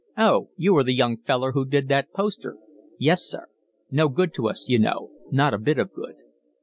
"Oh, you are the young feller who did that poster?" "Yes, sir." "No good to us, you know, not a bit of good."